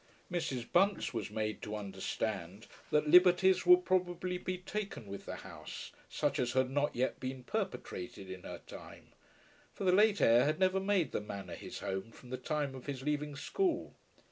Mrs. Bunce was made to understand that liberties would probably be taken with the house, such as had not yet been perpetrated in her time; for the late heir had never made the Manor his home from the time of his leaving school.